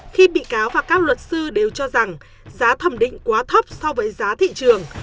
khi bị cáo và các luật sư đều cho rằng giá thẩm định quá thấp so với giá thị trường